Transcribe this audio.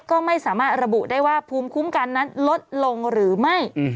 ก็ไม่สามารถระบุได้ว่าภูมิคุ้มกันนั้นลดลงหรือไม่